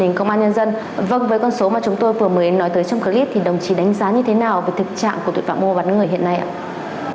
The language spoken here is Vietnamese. thì đồng chí đánh giá như thế nào về thực trạng của tội phạm mua bán người hiện nay ạ